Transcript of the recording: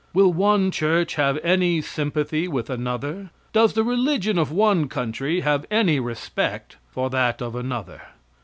Will one church have any sympathy with another? Does the religion of one country have any respect for that of another?